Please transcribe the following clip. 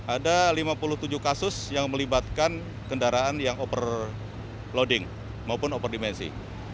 ada lima puluh tujuh kasus yang melibatkan kendaraan yang overloading maupun over dimensi